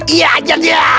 iya ajar dia